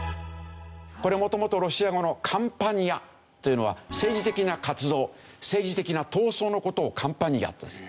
これもともとロシア語の「カンパニア」というのは「政治的な活動」「政治的な闘争」の事を「カンパニア」って言うんですね。